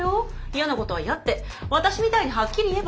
嫌なことは嫌って私みたいにはっきり言えば？